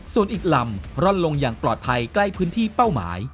ส่วนอีกลำร่อนลงอย่างปลอดภัยใกล้พื้นที่เป้าหมาย